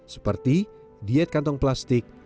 seperti diet kantong plastik